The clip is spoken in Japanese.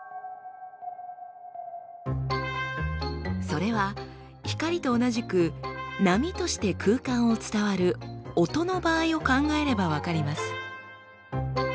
それは光と同じく波として空間を伝わる音の場合を考えれば分かります。